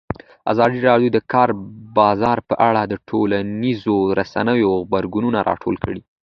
ازادي راډیو د د کار بازار په اړه د ټولنیزو رسنیو غبرګونونه راټول کړي.